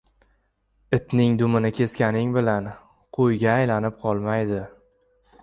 • Itning dumini kesganing bilan qo‘yga aylanib qolmaydi.